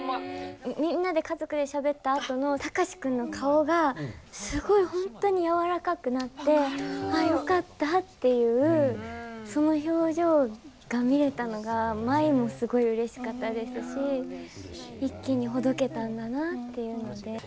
みんなで家族でしゃべったあとの貴司君の顔がすごい本当に柔らかくなって「ああよかった」っていうその表情が見れたのが舞もすごいうれしかったですし一気にほどけたんだなっていうので。